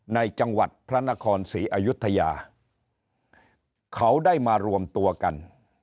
ในจังหวัดพระนครศรีอยุธยาเขาได้มารวมตัวกัน